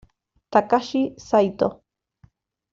Takashi Saito